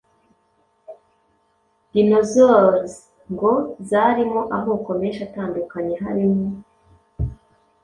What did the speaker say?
dinosaures ngo zarimo amoko menshi atandukanye harimo